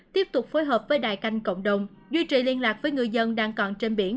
tiếp tục phối hợp với đài canh cộng đồng duy trì liên lạc với người dân đang còn trên biển